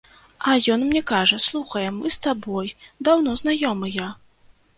А ён мне кажа, слухай, мы з табой даўно знаёмыя.